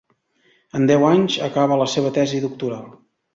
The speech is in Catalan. En deu anys, acaba la seva tesi doctoral.